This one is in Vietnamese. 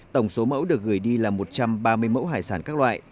tổng số mẫu được gửi đi là một trăm ba mươi mẫu hải sản các loại